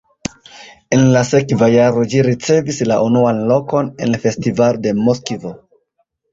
En la sekva jaro ĝi ricevis la unuan lokon en festivalo de Moskvo.